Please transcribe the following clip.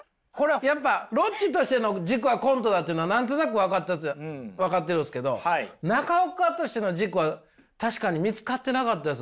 やっぱロッチとしての軸はコントだというのは何となく分かってるんですけど中岡としての軸は確かに見つかってなかったです